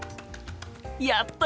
やった！